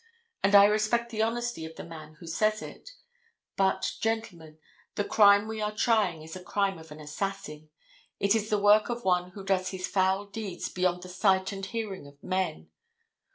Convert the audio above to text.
And I respect the honesty of the man who says it: But, gentlemen, the crime we are trying is a crime of an assassin. It is the work of one who does his foul deeds beyond the sight and hearing of men.